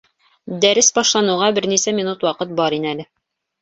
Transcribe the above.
Дәрес башланыуға бер нисә минут ваҡыт бар ине әле.